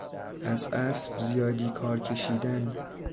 از اسب زیادی کار کشیدن